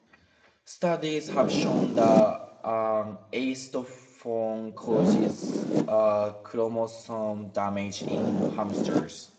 Studies have shown that acetophenone causes chromosomal damage in hamsters.